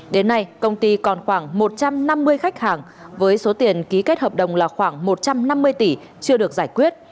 đến nay công ty còn khoảng một trăm năm mươi khách hàng với số tiền ký kết hợp đồng là khoảng một trăm năm mươi tỷ chưa được giải quyết